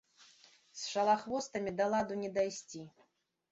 З шалахвостамі да ладу не дайсці.